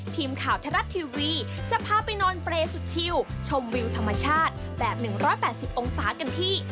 ทีมข่าวไทยรัฐทีวีจะพาไปนอนเปรย์สุดชิวชมวิวธรรมชาติแบบ๑๘๐องศากันที่